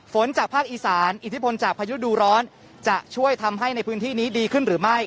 จากภาคอีสานอิทธิพลจากพายุดูร้อนจะช่วยทำให้ในพื้นที่นี้ดีขึ้นหรือไม่